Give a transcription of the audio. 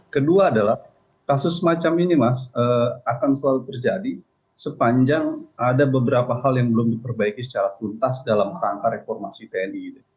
kedua adalah kasus semacam ini mas akan selalu terjadi sepanjang ada beberapa hal yang belum diperbaiki secara tuntas dalam rangka reformasi tni